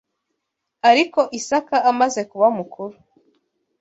Ariko Isaka amaze kuba mukuru